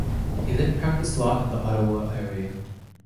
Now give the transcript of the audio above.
He then practised law in the Ottawa area.